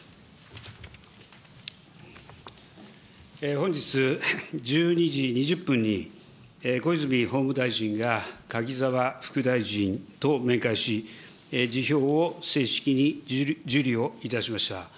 本日１２時２０分に、小泉法務大臣が柿沢副大臣と面会し、辞表を正式に受理をいたしました。